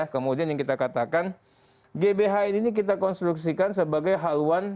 kemudian yang kita katakan gbhn ini kita konstruksikan sebagai haluan